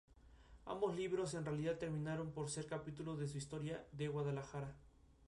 Suelen carecer de historial delictivo.